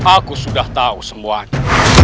aku sudah tahu semuanya